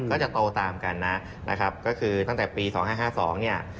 ก็จะโตตามกันนะครับก็คือตั้งแต่ปี๒๕๕๒เนี่ย